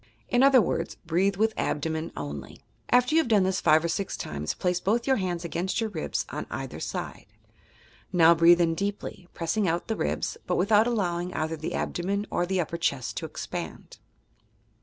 In 64 YOUR PSYCHIC POWERS other words, breathe with abdomen only. A£t«r you have done this five or six times, place both your hands against your ribs on either side. Now breathe in deeply, pressing out the ribs, but without allowing either the abdomen or the upper cheat to expand.